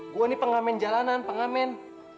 gue ini pengamen jalanan pengamen